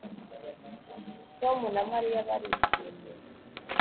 tom na mariya barishimye